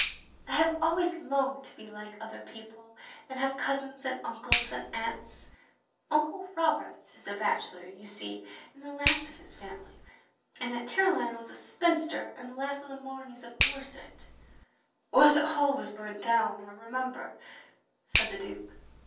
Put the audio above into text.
I have always longed to be like other people, and have cousins and uncles and aunts. Uncle Roberts is a bachelor, you see, and the last of his family; and Aunt Caroline was a spinster, and the last of the Mameys of Orsett. " "Orsett Hall was burnt down, I remember," said the Duke.